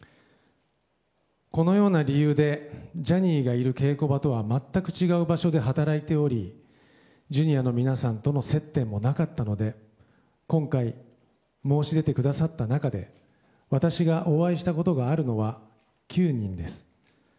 このような理由でジャニーがいる稽古場とは全く違う場所で働いておりＪｒ．の皆さんとの接点もなかったので今回、申し出てくださった中で私がお会いしたことがあるのは９人です。